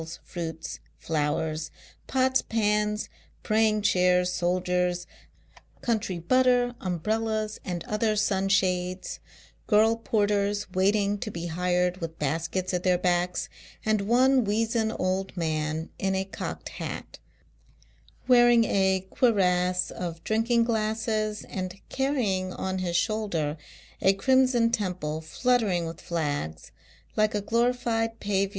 fruits, flowers, pots, pans, praying chairs, soldiers, country butter, um brellas and other sun shades, girl porters waiting to be hired with baskets at their backs, and one weazen little old man in a cocked hat, wearing a cuirass of drinking Charles Dickens/] OUE FEENCH WATEEING PLACE. 267 •I carrying ou his .shoulder a crimson temple fluttering with Hags, like a glorified }):ivi